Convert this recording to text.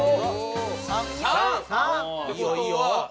３！いいよいいよ。